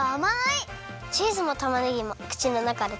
チーズもたまねぎもくちのなかでとろけます。